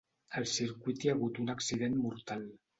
Al circuit hi ha hagut un accident mortal.